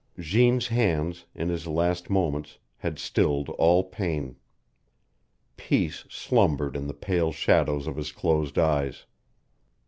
Jeanne's hands, in his last moments, had stilled all pain. Peace slumbered in the pale shadows of his closed eyes.